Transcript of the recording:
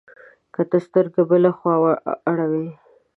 که ته سترګه بله خوا اړوې،